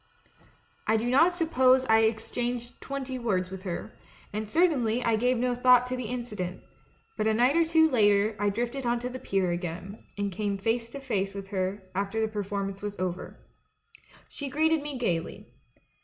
"I do not suppose I exchanged twenty words with her, and certainly I gave no thought to the incident ; but a night or two later I drifted on to the pier again, and came face to face with her after the performance was over. "She greeted me gaily.